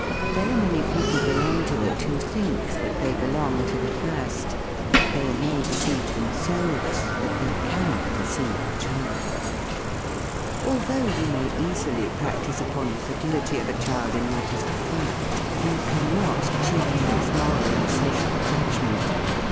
Very many people belong to it who think that they belong to the first. They may deceive themselves, but they cannot de ceive a child. Although you may easily practise upon the credulity of a child in matters of fact, you cannot cheat his moral and social judgment.